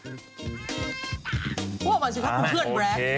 พูดออกมาใช่ไหมครับคุณเพื่อนแบรท